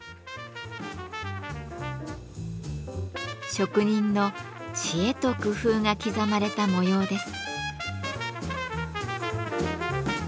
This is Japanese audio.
職人の知恵と工夫が刻まれた模様です。